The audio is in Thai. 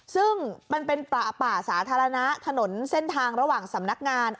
ซึ่งมันเป็นป่าสาธารณะถนนเส้นทางระหว่างสำนักงาน